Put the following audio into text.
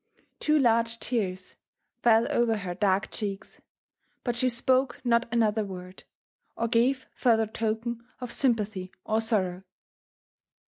Two large tears fell over her dark cheeks, but she spoke not another word, or gave further token of sympathy or sorrow.